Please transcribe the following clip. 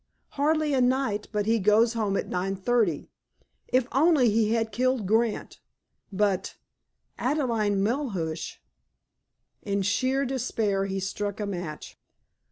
Hardly a night but he goes home at 9.30. If only he had killed Grant! But—Adelaide Melhuish!" In sheer despair he struck a match.